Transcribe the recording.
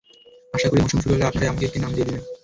আশা করি, মৌসুম শুরু হলে আপনারাই আমাকে একটা নাম দিয়ে দেবেন।